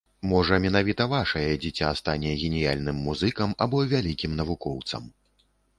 Можа, менавіта вашае дзіця стане геніяльным музыкам або вялікім навукоўцам.